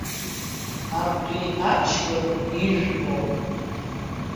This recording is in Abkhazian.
Абри аҷкәын ижәбо.